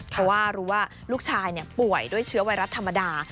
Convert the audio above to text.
เพราะว่ารู้ว่าลูกชายป่วยด้วยเชื้อไวรัสธรรมดา